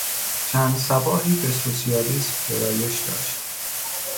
چند صباحی به سوسیالیسم گرایش داشت.